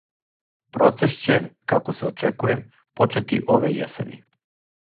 Процес ће, како се очекује, почети ове јесени.